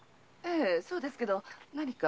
そうですけど何か？